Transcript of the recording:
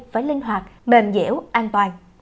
phải linh hoạt mềm dẻo an toàn